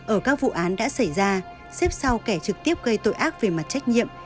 ở các vụ án đã xảy ra xếp sau kẻ trực tiếp gây tội ác về mặt trách nhiệm